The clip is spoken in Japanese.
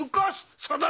そうだろ？